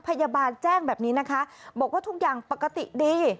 พยาบาลแจ้งแบบนี้นะคะบอกว่าทุกอย่างปกติดี